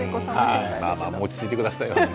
まあまあ落ち着いてくださいよ。